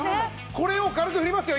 これを軽く振りますよ。